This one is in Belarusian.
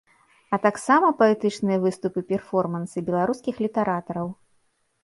А таксама паэтычныя выступы-перформансы беларускіх літаратараў.